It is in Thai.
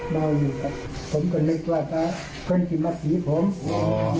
เมาอยู่ครับผมก็ไม่กลับครับเพื่อนที่มาตีผม